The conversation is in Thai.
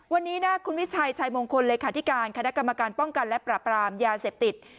วันนี้คุณวิชัยชายมงคลเลยค่ะที่การคันไดักกรรมการป้องกันและปราบรามยาเสพติด